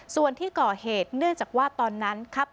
ส่วนที่ก่อเหตุเนื่องจากว่าตอนนั้นครับ